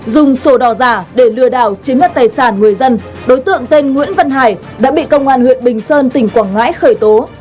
dùng sổ đỏ giả để lừa đảo chiếm đoạt tài sản người dân đối tượng tên nguyễn văn hải đã bị công an huyện bình sơn tỉnh quảng ngãi khởi tố